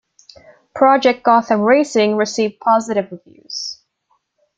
"Project Gotham Racing" received positive reviews.